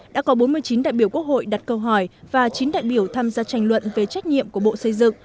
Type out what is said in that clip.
đã có bốn mươi chín đại biểu quốc hội đặt câu hỏi và chín đại biểu tham gia tranh luận về trách nhiệm của bộ xây dựng